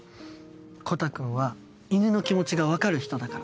コタくんは犬の気持ちが分かる人だから。